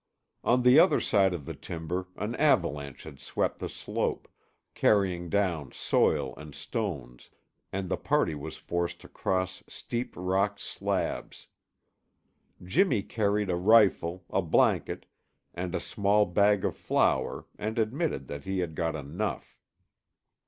On the other side of the timber an avalanche had swept the slope, carrying down soil and stones, and the party was forced to cross steep rock slabs. Jimmy carried a rifle, a blanket, and a small bag of flour and admitted that he had got enough.